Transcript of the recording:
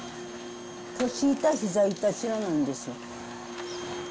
腰痛、ひざ痛、知らないんですよ。